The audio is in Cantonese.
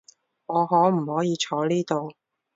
我可唔可以坐呢度？